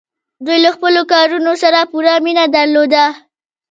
دوی له خپلو کارونو سره پوره مینه درلوده.